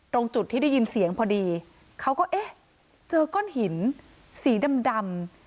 ตรงจุดที่ได้ยินเสียงพอดีเขาก็เอ๊ะเจอก้อนหินสีดำ